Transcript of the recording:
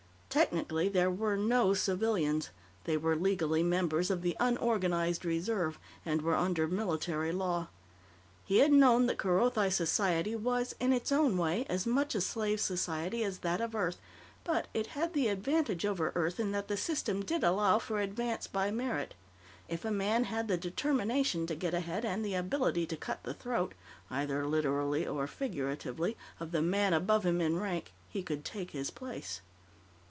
Technically, there were no civilians; they were legally members of the "unorganized reserve," and were under military law. He had known that Kerothi society was, in its own way, as much a slave society as that of Earth, but it had the advantage over Earth in that the system did allow for advance by merit. If a man had the determination to get ahead, and the ability to cut the throat either literally or figuratively of the man above him in rank, he could take his place.